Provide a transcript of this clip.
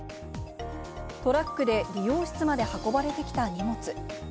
トラックで理容室まで運ばれてきた荷物。